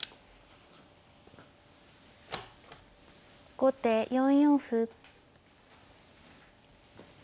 後手４四歩。